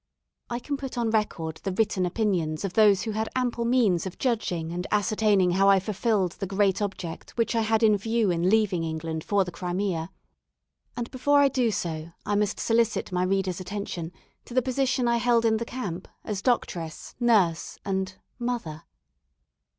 I can put on record the written opinions of those who had ample means of judging and ascertaining how I fulfilled the great object which I had in view in leaving England for the Crimea; and before I do so, I must solicit my readers' attention to the position I held in the camp as doctress, nurse, and "mother."